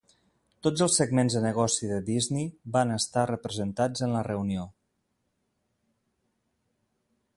Tots els segments de negoci de Disney van estar representats en la reunió.